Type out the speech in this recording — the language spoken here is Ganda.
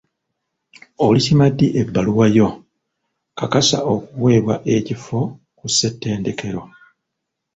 Oli kima ddi ebbaluwa yo kakasa okuweebwa ekifo ku ssettendekero?